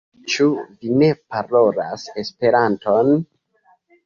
Ĉu vi ne parolas Esperanton?